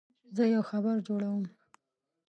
زه یو خبر جوړوم.